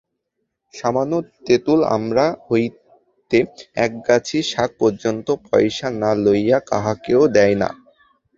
সামান্য তেঁতুল আমড়া হইতে একগাছি শাক পর্যন্ত পয়সা না লইয়া কাহাকেও দেয় না।